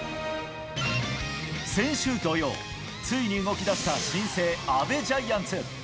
先週土曜、ついに動きだした新生、阿部ジャイアンツ。